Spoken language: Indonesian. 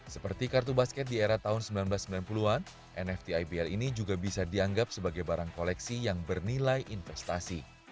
seperti kartu basket di era tahun seribu sembilan ratus sembilan puluh an nft ibl ini juga bisa dianggap sebagai barang koleksi yang bernilai investasi